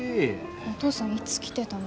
お父さんいつ来てたの？